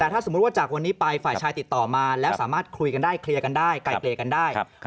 แต่ถ้าสมมุติว่าจากวันนี้ไปฝ่ายชายติดต่อมาแล้วสามารถคุยกันได้เคลียร์กันได้ไกลเกลียกันได้